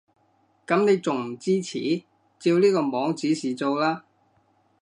噉你仲唔支持？照呢個網指示做啦